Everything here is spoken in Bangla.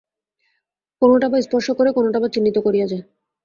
কোনোটা বা স্পর্শ করে, কোনোটা বা চিহ্নিত করিয়া যায়।